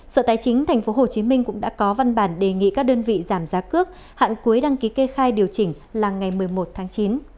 sở tài chính tp hcm cũng đã có văn bản đề nghị các đơn vị giảm giá cước hạn cuối đăng ký kê khai điều chỉnh là ngày một mươi một tháng chín